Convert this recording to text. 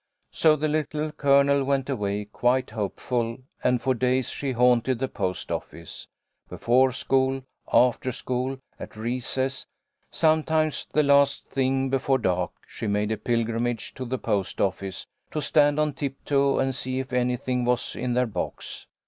So the Little Colonel went away quite hopeful, and for days she haunted the post office. Before school, after school, at recess, sometimes the last thing before dark, she made a pilgrimage to the post office, to stand on tiptoe and see if anything was in their box.